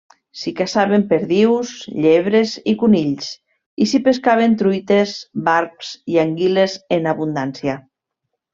S'hi caçaven perdius, llebres i conills, i s'hi pescaven truites, barbs i anguiles en abundància.